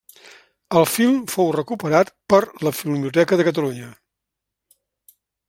El film fou recuperat per la Filmoteca de Catalunya.